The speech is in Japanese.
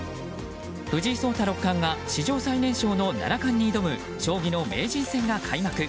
藤井聡太六冠が史上最年少の七冠に挑む将棋の名人戦が開幕。